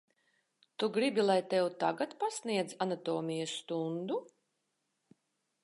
Tu gribi, lai tev tagad pasniedzu anatomijas stundu?